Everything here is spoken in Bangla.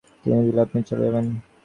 লিখে দিলে আপনি চলে যাবেন?